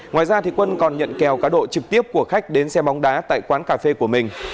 ngoài ra quân còn nhận kèo cá độ trực tiếp của khách đến xe bóng đá tại quán cà phê của mình